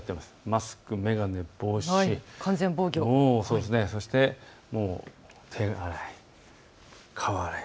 マスク、眼鏡、帽子、そして手洗い、顔洗い。